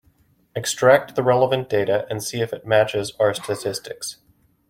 Extract the relevant data and see if it matches our statistics.